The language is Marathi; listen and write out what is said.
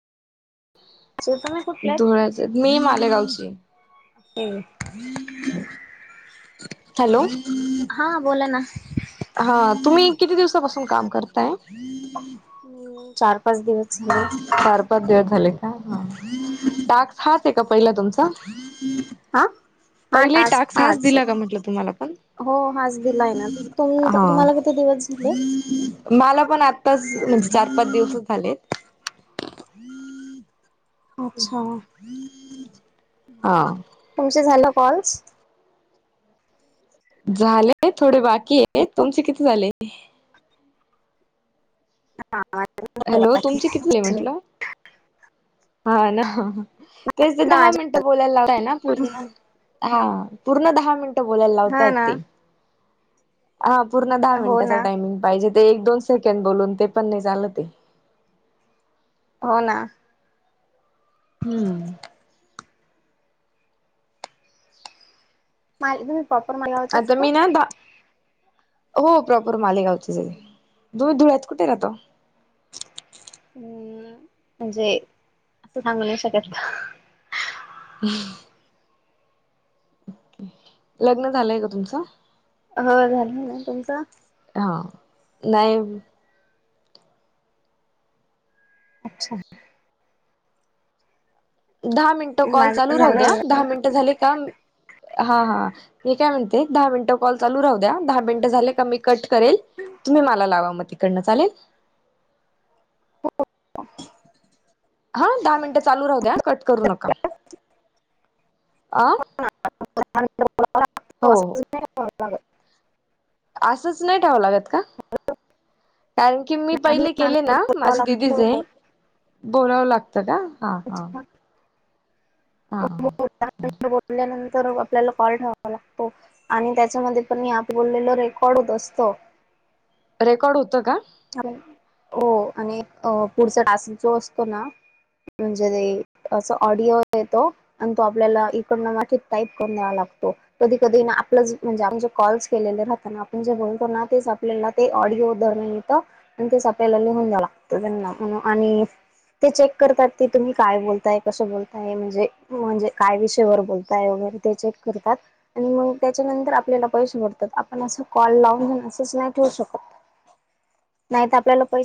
सो तुम्ही कुठले धुळ्याचं आहेत, मी मालेगावची हाय ते [inaudible] हॅलो हा बोला ना हा तुम्ही किती दिवसापासून काम करताय मी चार पाच दिवस झाले चार पाच दिवस झाले [unintelligible] टास्क हाच हाय का पहिला तुमचा हा हा पहिले टास्क टाक्स हाच आहे. दिला का म्हटलं तुम्हाला पण हो हाच दिलाय ना तुम हा, तुम्हाला किती दिवस झाले? मला पण आत ताचं म्हणजे चार पाच दिवसचं झाले अच्छा [unintelligible] हा तुमचे झालं कॉल्स झाले थोडे बाकी आहे तुमचे किती झाले हा हॅलो तुमचे किती झाले म्हंटलं हा ना तेच दहा मिनटं बोलायला ना पूर्ण हा पूर्ण दहा मिनिटं बोलायला हा लावतायत ना. ते हा पूर्ण दहा हो ना मिनिटाचा टायमिंग पाहिजे ते एक दोन सेकंड बोलून ते पण नाही चाल ते हो ना हम्म माझे [unintelligible] प्रॉपर [unintelligible] आता काय मी ना दा हो प्रॉपर मालेगावचे सगळे [inaudible] हम् म्हणजे असं सांगू नाही शकत हम् लग्न झालंय का तुमचं हो झालय ना तुमचं ह नाही अच्छा दहा मिनटं कॉल माझं चालू राहू द्या, झालंय दहा मिनिटं झाले की आम हा हा मी काय म्हणते दहा मिनिटं कॉल चालू राहू द्या. दहा मिनिटं झाले का मी कट करेल, तुम्ही मला लावा म तिकडन चालेल? हो हा दहा मिनटं चालू राहू द्या कट करू नका [inaudible] अं [unintelligible] असंच नाही ठेवाव लागत का? कारण की मी नाही पहिले केले नांगर ना बोलावा माझे लागतो दिदीचे बोलावं लागतं का? हा, हा. त्याच्या- हा, हा. तर आपल्याला कॉल ठेवावा लागतो आणि त्याच्यामध्ये पण मी आधी बोललेल रेकॉर्ड होत असतो. [inaudible] रेकॉर्ड होतं का? हो आणि अ पुढचा टास्क जो असतो ना म्हणजे अस ऑडिओ येतो आणि तो आपल्याला इकड टाईप करून द्यावा लाग तो कधी-कधी ना आपलच म्हणजे कॉल्स केलेले राहत ना आपण जे बोलतो ना तेच आपल्याला ते ऑडिओ ते उदाहरण येत आणि तेच आपल्याला लिहून द्यावं लागत त्यांना म्हणून आणि ते चेक करतात की तुम्ही काय बोलताय? कसं बोलताय? म्हणजे, म्हणजे काय विषया वर बोलताय व ते चेक करतात आणि मग त्याच्या नंतर आपल्याला पैशे सोडतात आपण अस कॉल लाऊन हाय ना ठेऊ शकतो. नाही तर आपल्याला पैसे